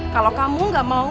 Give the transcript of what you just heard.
kalau kamu gak mau